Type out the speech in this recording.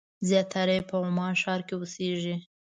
زیاتره یې په عمان ښار کې اوسېږي.